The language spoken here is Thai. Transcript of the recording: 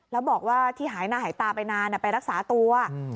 แล้วบอกว่าที่หายหน้าหายตาไปนานไปรักษาตัว